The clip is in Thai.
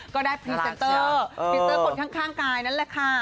ก็ได้พรีเซนเตอร์พรีเซอร์คนข้างกายนั่นแหละค่ะ